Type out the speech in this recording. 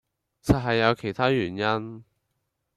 實係有其他原因